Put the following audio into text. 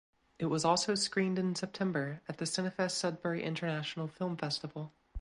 It was also screened in September at the Cinefest Sudbury International Film Festival.